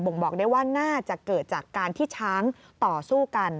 ่งบอกได้ว่าน่าจะเกิดจากการที่ช้างต่อสู้กัน